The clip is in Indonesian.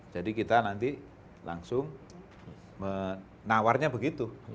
jadi kita nanti langsung menawarnya begitu